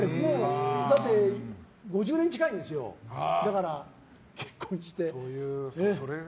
だって、５０年近いんですよ結婚して。